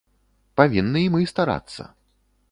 Павінны і мы старацца.